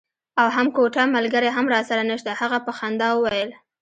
او هم کوټه ملګری هم راسره نشته. هغه په خندا وویل.